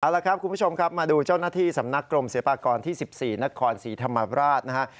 เอาละครับคุณผู้ชมครับมาดูเจ้าหน้าที่สำนักกรมศิลปากรที่๑๔นครศรีธรรมราชนะฮะ